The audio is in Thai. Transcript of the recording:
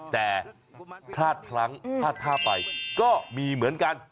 แต่พลาดพลั้งพลาดท่าไปก็มีเหมือนกัน